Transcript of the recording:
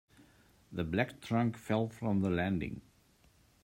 The black trunk fell from the landing.